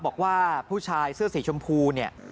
บอกว่าผู้ชายเสื้อสีชมพู